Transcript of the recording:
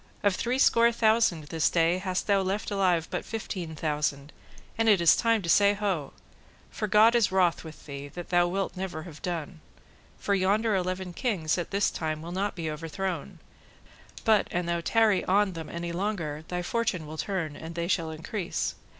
of three score thousand this day hast thou left alive but fifteen thousand, and it is time to say Ho! For God is wroth with thee, that thou wilt never have done; for yonder eleven kings at this time will not be overthrown, but an thou tarry on them any longer, thy fortune will turn and they shall increase.